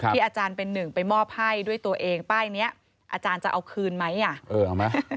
ที่อาจารย์เป็นหนึ่งไปมอบให้ด้วยตัวเองป้ายนี้อาจารย์จะเอาคืนไหม